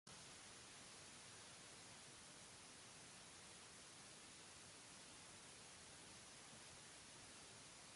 Falleció a causa de un fallo renal.